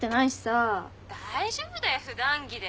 大丈夫だよ普段着で。